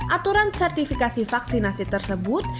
aturan sertifikasi vaksinasi tersebut